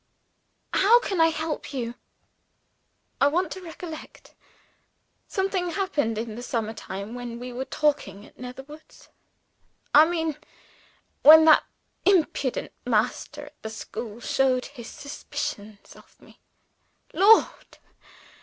"How can I help you?" "I want to recollect. Something happened in the summer time, when we were talking at Netherwoods. I mean when that impudent master at the school showed his suspicions of me. (Lord!